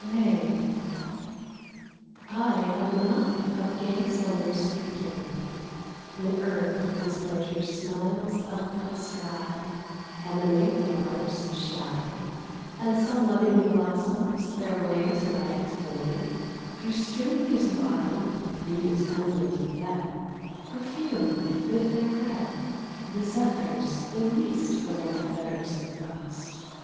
MAY. I am the month of gay Summer's beginning, When earth with its verdure smiles up at the sky, And the mayflowers shy, And sun loving blossoms, their way to light winning Through strewn leaves of autumn, mute emblems of death, Perfume with their breath, The zephyrs released from their fetters of frost.